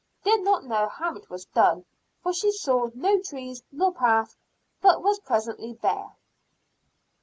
Did not know how it was done, for she saw no trees nor path, but was presently there."